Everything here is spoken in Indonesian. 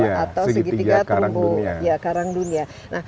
atau segitiga karang dunia